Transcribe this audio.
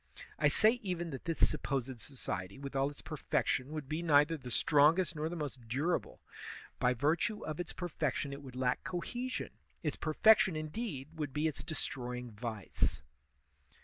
I say even that this supposed society, with all its per fection, would be neither the strongest nor the most durable; by virtue of its perfection it would lack cohe sion; its perfection, indeed, would be its destroying vice.